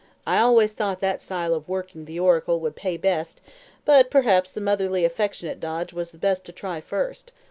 I always thought that style of working the oracle would pay best; but perhaps the motherly affectionate dodge was the best to try first.